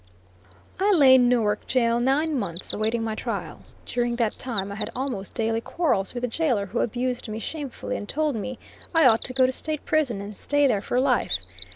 I lay in Newark jail nine months, awaiting my trial. During that time I had almost daily quarrels with the jailor, who abused me shamefully, and told me I ought to go to State prison and stay there for life.